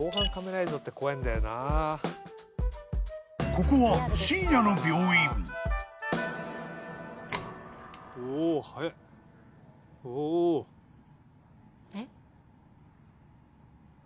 ［ここは深夜の病院］えっ！？